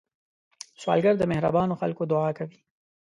سوالګر د مهربانو خلکو دعا کوي